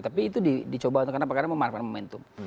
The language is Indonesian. tapi itu dicoba karena memanfaatkan momentum